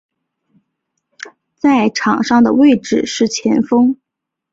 在场上的位置是前锋。